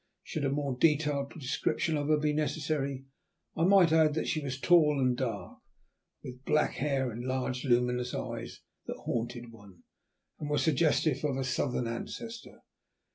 Should a more detailed description of her be necessary, I might add that she was tall and dark, with black hair and large luminous eyes that haunted one, and were suggestive of a southern ancestor.